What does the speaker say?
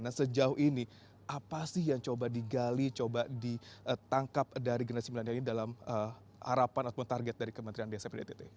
nah sejauh ini apa sih yang coba digali coba ditangkap dari generasi milenial ini dalam harapan ataupun target dari kementerian desa pdtt